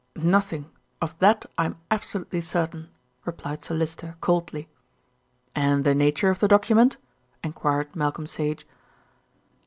"Nothing; of that I am absolutely certain," replied Sir Lyster coldly. "And the nature of the document?" enquired Malcolm Sa'ge.